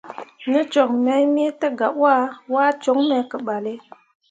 Ne cok me te gah wah, waa coŋ me ke balle.